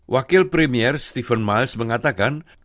wakil premier stephen miles mengatakan